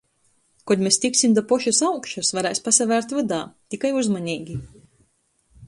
Kod mes tiksim da pošys augšys, varēs pasavērt vydā. Tikai uzmaneigi.